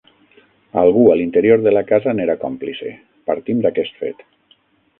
Algú a l'interior de la casa n'era còmplice; partim d'aquest fet.